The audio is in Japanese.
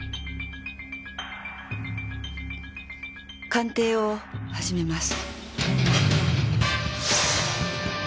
鑑定を始めます。